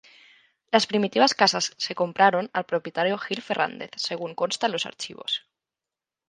Las primitivas casas se compraron al propietario Gil Ferrández, según consta en los archivos.